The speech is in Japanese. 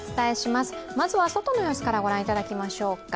まずは外の様子から御覧いただきましょうか。